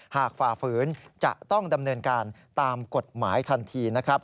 ฝ่าฝืนจะต้องดำเนินการตามกฎหมายทันทีนะครับ